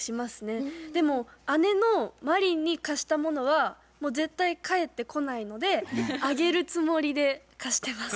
でも姉の真凜に貸したものはもう絶対返ってこないのであげるつもりで貸してます。